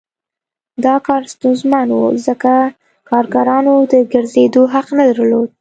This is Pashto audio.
دا کار ستونزمن و ځکه کارګرانو د ګرځېدو حق نه درلود